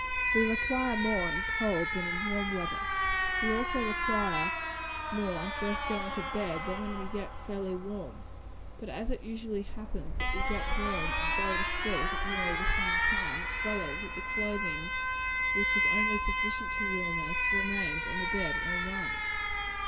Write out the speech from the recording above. We require more in cold than in warm weather. We also require more on first going to bed, than when we get fairly warm but as it usually happens that we get warm and go to sleep at nearly the same time, it follows, that the clothing which was only sufficient to warm us, remains on the bed all night.